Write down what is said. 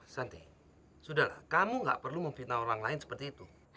santai sudah kamu gak perlu memfitnah orang lain seperti itu